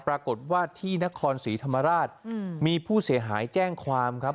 ปรากฏว่าที่นครศรีธรรมราชมีผู้เสียหายแจ้งความครับ